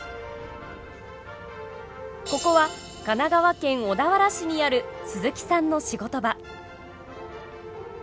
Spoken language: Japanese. ここは神奈川県小田原市にある鈴木さんの仕事場。